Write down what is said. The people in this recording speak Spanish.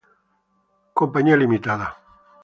Limited, Inc.